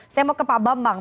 saya mau ke pak bambang